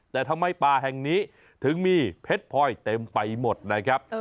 แต่ทำไมป่าแห่งนี้ถึงมีเพชรพลอยเต็มไปหมดนะครับ